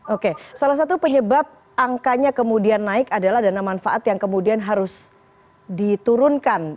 oke salah satu penyebab angkanya kemudian naik adalah dana manfaat yang kemudian harus diturunkan